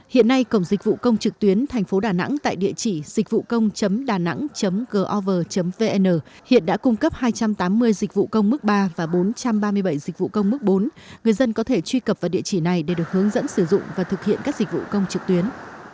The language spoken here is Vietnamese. hiện nay cổng dịch vụ công trực tuyến thành phố đà nẵng tại địa chỉ dịchvucông danang gov vn hiện đã cung cấp hai trăm tám mươi dịch vụ công mức ba và bốn trăm ba mươi bảy dịch vụ công mức bốn người dân có thể truy cập vào địa chỉ này để được hướng dẫn sử dụng và thực hiện các dịch vụ công trực tuyến